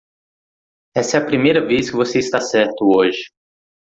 Essa é a primeira vez que você está certo hoje.